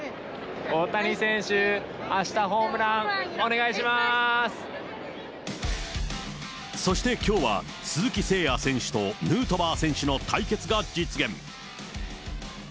大谷選手、あした、そしてきょうは、鈴木誠也選手とヌートバー選手の対決が実現。